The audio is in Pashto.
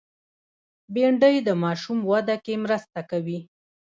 بېنډۍ د ماشوم وده کې مرسته کوي